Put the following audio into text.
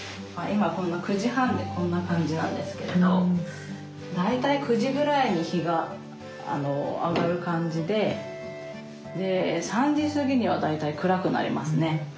今９時半でこんな感じなんですけれど大体９時ぐらいに日が上がる感じでで３時過ぎには大体暗くなりますね。